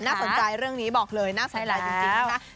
น่าสนใจเรื่องนี้บอกเลยน่าสนใจจริงนะคะ